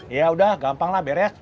iya udah gampanglah beres